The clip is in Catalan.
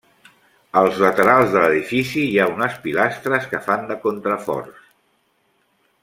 Als laterals de l'edifici hi ha unes pilastres que fan de contraforts.